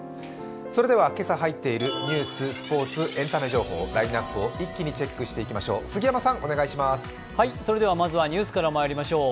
それでは今朝入っているニュース、スポーツ、エンタメ情報、ラインナップを一気にチェックしていきましょう。